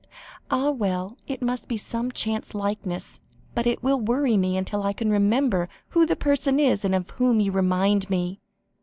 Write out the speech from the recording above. "Ah, well, it must be some chance likeness, but it will worry me, until I can remember who the person is of whom you remind me.